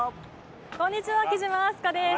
こんにちは貴島明日香です